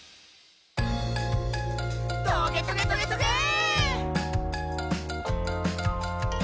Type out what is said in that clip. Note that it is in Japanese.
「トゲトゲトゲトゲェー！！」